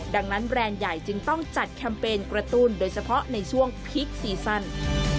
ดังนั้นแบรนด์ใหญ่จึงต้องจัดแคมเปญกระตุ้นโดยเฉพาะในช่วงพีคซีซั่น